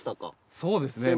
そうですね。